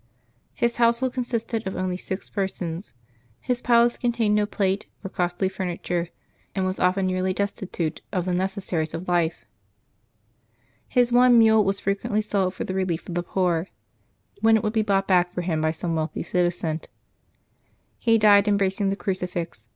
His household consisted of only six persons; his palace con tained no plate or costly furniture, and was often nearly destitute of the necessaries of life. His one mule was fre quently sold for the relief of the poor, when it would be bought back for him by some wealthy citizen. He died embracing the crucifix.